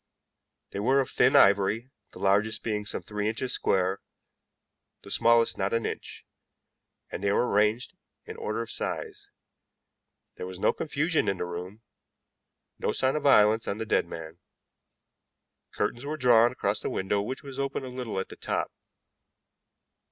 They were of thin ivory, the largest being some three inches square, the smallest not an inch, and they were arranged in order of size. There was no confusion in the room, no sign of violence on the dead man. Curtains were drawn across the window, which was open a little at the top.